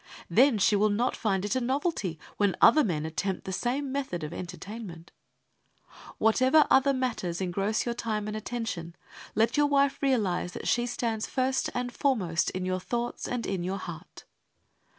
Then she will not find it a novelty when other men attempt the same method of entertainment. Whatever other matters engross your time and attention, let your wife realize that she stands first and foremost in your thoughts and in your heart.